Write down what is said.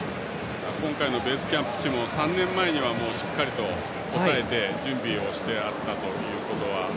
今回のベースキャンプ地も３年前にはしっかりと押さえて準備してあったということで。